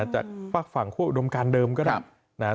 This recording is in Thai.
จะปรักฝั่งคั่วอุดมการเดิมก็ได้